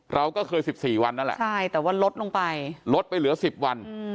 เราก็เคย๑๔วันนั่นแหละใช่แต่ว่าลดลงไปลดไปเหลือ๑๐วัน